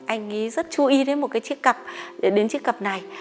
anh ấy rất chú ý đến một chiếc cặp đến chiếc cặp này